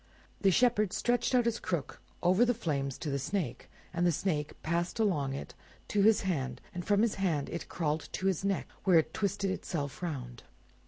The Shepherd stretched out his crook over the flames to the Snake, and the Snake passed along it on to his hand, and from his hand it crawled to his neck, where it twisted itself round.